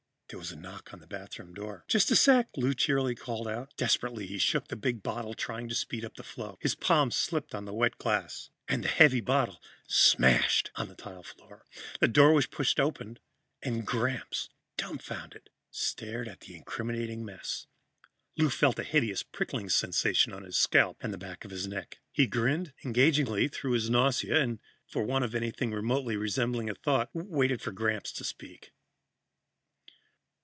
There was a knock on the bathroom door. "Just a sec," Lou cheerily called out. Desperately, he shook the big bottle, trying to speed up the flow. His palms slipped on the wet glass, and the heavy bottle smashed on the tile floor. The door was pushed open, and Gramps, dumbfounded, stared at the incriminating mess. Lou felt a hideous prickling sensation on his scalp and the back of his neck. He grinned engagingly through his nausea and, for want of anything remotely resembling a thought, waited for Gramps to speak.